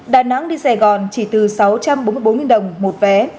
đà nẵng đi sài gòn chỉ từ sáu trăm bốn mươi bốn đồng một vé